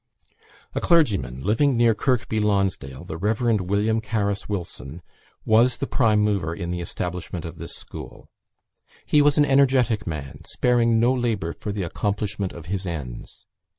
A clergyman, living near Kirby Lonsdale, the Reverend William Carus Wilson, was the prime mover in the establishment of this school. He was an energetic man, sparing no labour for the accomplishment of his ends.